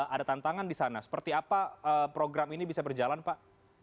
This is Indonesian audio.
ada tantangan di sana seperti apa program ini bisa berjalan pak